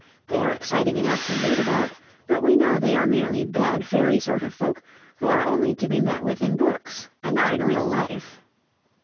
They are exciting enough to read about, but we know they are merely bad fairy sort of folk who are only to be met with in books, and not in real life.